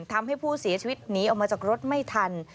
ทำให้ผู้เสียชีวิตหนีออกมาจากรถไม่ทัน